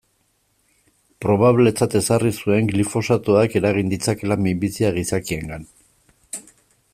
Probabletzat ezarri zuen glifosatoak eragin ditzakeela minbiziak gizakiengan.